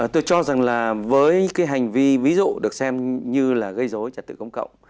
tôi cho rằng là với cái hành vi ví dụ được xem như là gây dối trật tự công cộng